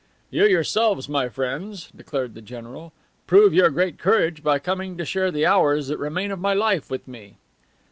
"You yourselves, my friends," declared the general, "prove your great courage by coming to share the hours that remain of my life with me."